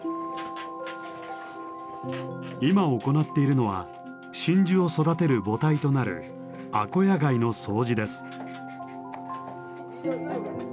今行っているのは真珠を育てる母体となるアコヤガイの掃除です。